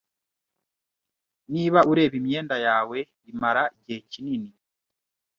Niba ureba imyenda yawe, imara igihe kinini.